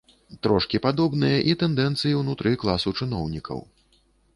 Трошкі падобныя і тэндэнцыі ўнутры класу чыноўнікаў.